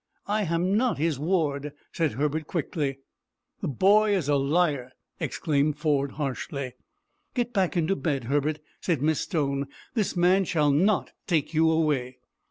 "I am not his ward," said Herbert, quickly. "The boy is a liar," exclaimed Ford, harshly. "Get back into the bed, Herbert," said Miss Stone. "This man shall not take you away."